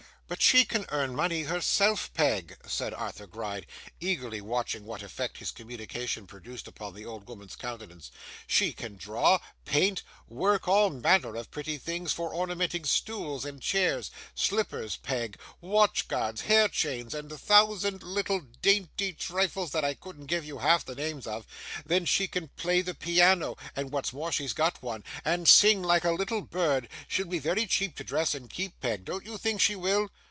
'But she can earn money herself, Peg,' said Arthur Gride, eagerly watching what effect his communication produced upon the old woman's countenance: 'she can draw, paint, work all manner of pretty things for ornamenting stools and chairs: slippers, Peg, watch guards, hair chains, and a thousand little dainty trifles that I couldn't give you half the names of. Then she can play the piano, (and, what's more, she's got one), and sing like a little bird. She'll be very cheap to dress and keep, Peg; don't you think she will?